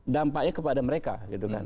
dampaknya kepada mereka gitu kan